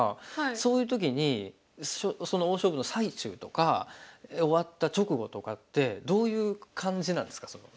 そういう時にその大勝負の最中とか終わった直後とかってどういう感じなんですかその。